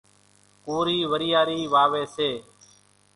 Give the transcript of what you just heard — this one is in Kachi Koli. ڪورِي وريارِي واويَ سي۔